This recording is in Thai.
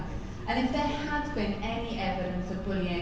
แต่ไม่มีความบุญและไม่มีความแท้ในมหาว่านักบุญกับมัน